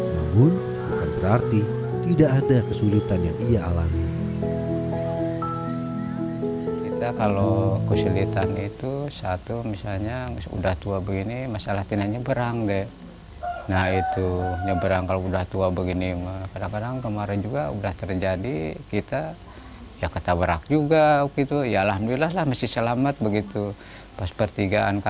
namun bukan berarti tidak ada kesulitan yang ia alami